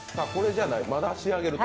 まだ仕上げると。